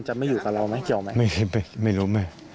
ไม่อยู่กับเราไหมเกี่ยวไหมไม่รู้ไม่